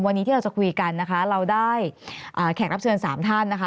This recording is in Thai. วันนี้ที่เราจะคุยกันนะคะเราได้แขกรับเชิญ๓ท่านนะคะ